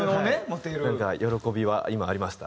なんか喜びは今ありました。